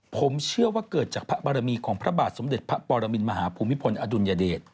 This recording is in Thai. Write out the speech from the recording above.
ผมเชื่อว่าเกิดจากพระบรมีของพระบาทสมเด็จพระปรมินมหาภูมิพลอดุลยเดช